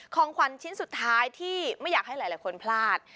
ของขวัญชิ้นสุดท้ายที่ไม่อยากให้หลายคนพลาด